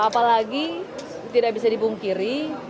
apalagi tidak bisa dipungkiri